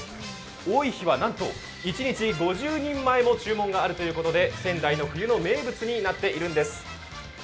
多いとには一日５０人前の注文が入るという仙台の冬の名物になっているんです。